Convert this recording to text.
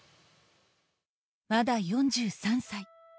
まだ４３歳。